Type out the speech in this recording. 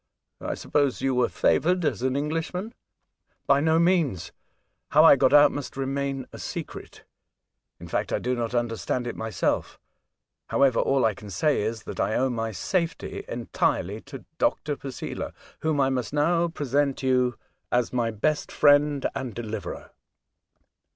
I suppose you were favoured as an Englishman ?"" By no means. How I got out must remain a secret ; in fact, I do not understand it myself. However, all I can say is, that I owe my safety entirely to Dr. Posela, whom I must now present you as my best friend and deliverer."